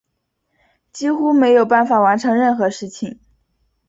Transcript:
几乎没有办法完成任何事情